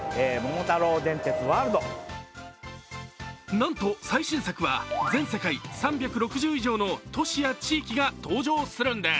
なんと、最新作は全世界３６０以上の都市や地域が登場するんです。